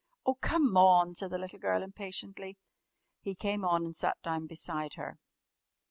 "Oh, come on!" said the little girl impatiently. He came on and sat down beside her.